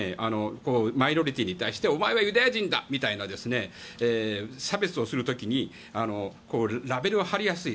マイノリティーに対してお前はユダヤ人だみたいな差別をする時にラベルを貼りやすい。